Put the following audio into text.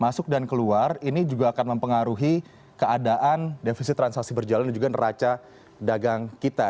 masuk dan keluar ini juga akan mempengaruhi keadaan defisit transaksi berjalan dan juga neraca dagang kita